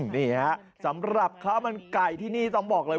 นี่ฮะสำหรับข้าวมันไก่ที่นี่ต้องบอกเลย